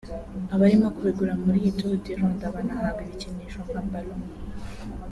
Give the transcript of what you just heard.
abarimo kubigura muri iyi Tour du Rwanda banahabwa ibikinisho nka ballon